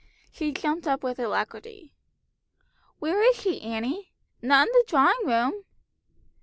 She jumped up with alacrity. "Where is she, Annie? Not in the drawing room?"